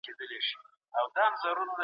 نشه یې توکي د ژوند کیفیت کموي.